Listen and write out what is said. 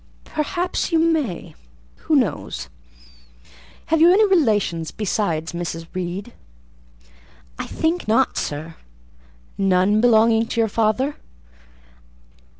"Perhaps you may—who knows? Have you any relations besides Mrs. Reed?" "I think not, sir." "None belonging to your father?"